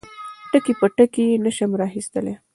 ټکي په ټکي یې نشم را اخیستلای.